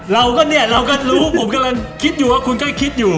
เราก็รู้คุณก็คิดอยู่